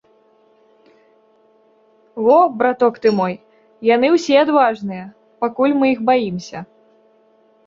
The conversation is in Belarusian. Во, браток ты мой, яны ўсе адважныя, пакуль мы іх баімся.